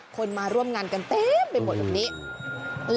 คนมาร่วมงานกันเต็มไปหมดแบบนี้